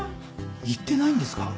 言ってないんですか？